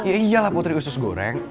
iya iyalah putri susgoreng